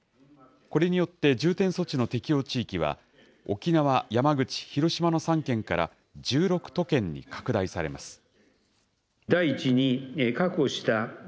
これによって重点措置の適用地域は、沖縄、山口、広島の３県から１６都県に拡大されます。